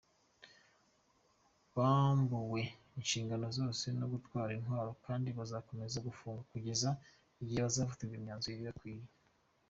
Bambuwe inshingano zose no gutwara intwaro kandi bazakomeza gufungwa kugeza igihe bazafatirwa imyanzuro ibakwiye.